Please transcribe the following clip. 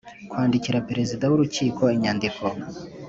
kwandikira perezida w urukiko inyandiko